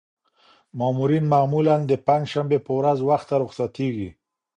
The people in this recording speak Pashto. مامورین معمولاً د پنجشنبې په ورځ وخته رخصتېږي.